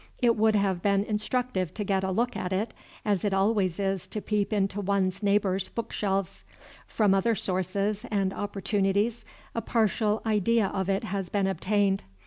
It would have been instructive to get a look at it, as it always is to peep into one's neighbor's book shelves. From other sources and opportunities a partial idea of it has been obtained.